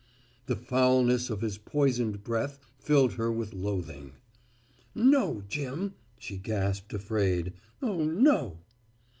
The foulness of his poisoned breath filled her with loathing. "No, Jim," she gasped, afraid. "Oh, no!"